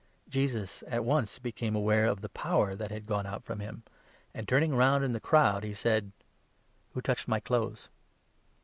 Jesus at once became 30 aware of the power that had gone out from him, and, turning round in the crowd, he said :" Who touched my clothes